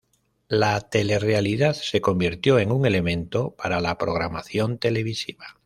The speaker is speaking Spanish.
La telerrealidad se convirtió en un elemento para la programación televisiva.